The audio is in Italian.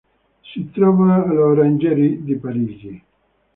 Si trova all'Orangerie di Parigi.